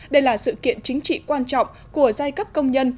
đây là sự kiện chính trị quan trọng của giai cấp công nhân